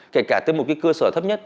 kể cả tới một cái cơ sở thấp nhất